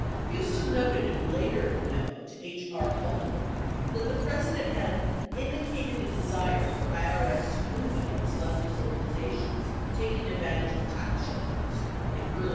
Huston noted in a later memo to H. R. Haldeman that the President had "indicated a desire for IRS to move against leftist organizations taking advantage of tax shelters" in early 1969.